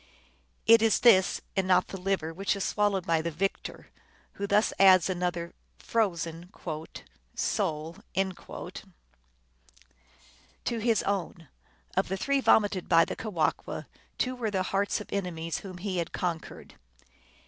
It is this, and not the liver, which is swallowed by the victor, who thus adds another frozen " soul " to his own. Of the three vomited by the Kewahqu , two were the hearts of enemies whom he had conquered.